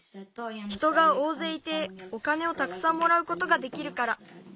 人がおおぜいいてお金をたくさんもらうことができるから。